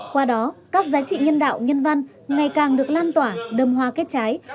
qua đó các giá trị nhân đạo nhân văn ngày càng được lan tỏa đâm hoa kết trái